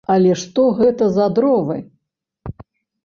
Але што гэта за дровы!